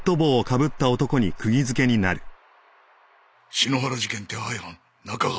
篠原事件手配犯中川智哉